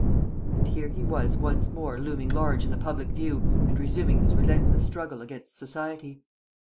And here he was once more looming large in the public view and resuming his relentless struggle against society!